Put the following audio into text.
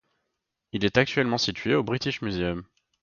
Il est actuellement situé au British Museum.